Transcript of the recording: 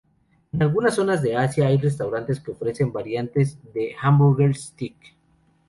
En algunas zonas de Asia hay restaurantes que ofrecen variantes de "hamburger steak".